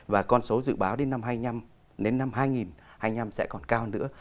và con số dự báo đến năm hai nghìn hai mươi năm đến năm hai nghìn hai mươi năm sẽ còn cao nữa